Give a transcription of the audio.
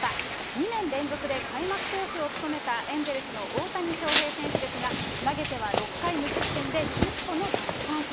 ２年連続で開幕投手を務めたエンゼルスの大谷翔平選手ですが、投げては６回無失点で１０個の奪三振。